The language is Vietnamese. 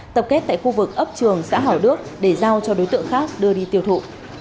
tập kết tại khu vực ấp trường xã hảo đức để giao cho đối tượng khác đưa đi tiêu thụ